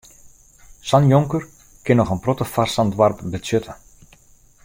Sa'n jonker kin noch in protte foar sa'n doarp betsjutte.